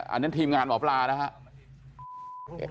อันนี้ทีมงานหมอปลานะครับ